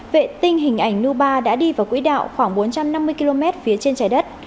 vệ tinh hình ảnh nubar đã đi vào quỹ đạo khoảng bốn trăm năm mươi km phía trên trái đất